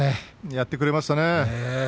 やってくれましたね。